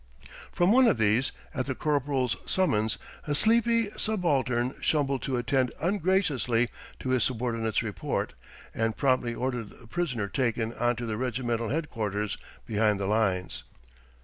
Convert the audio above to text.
From one of these, at the corporal's summons, a sleepy subaltern stumbled to attend ungraciously to his subordinate's report, and promptly ordered the prisoner taken on to the regimental headquarters behind the lines.